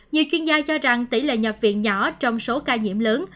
nhiều chuyên gia cho rằng tỷ lệ nhập viện nhỏ trong số ca nhiễm lớn